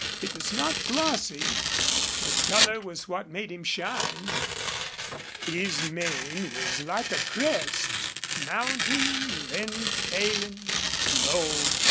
It was not glossy. The color was what made him shine. His mane was like a crest, mounting, then failing low.